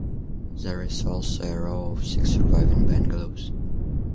There is also a row of six surviving bungalows.